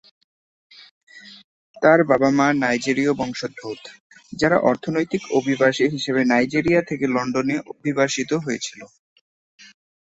তার বাব-মা নাইজেরীয় বংশোদ্ভূত, যারা অর্থনৈতিক অভিবাসী হিসেবে নাইজেরিয়া থেকে লন্ডনে অভিবাসিত হয়েছিলেন।